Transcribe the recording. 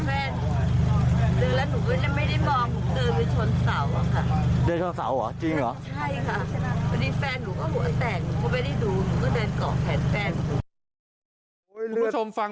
แผลที่เห็นเนี่ยแค่เธอเผลอไปเดินชนเสาสาธาริมทางก็เท่านั้นเอง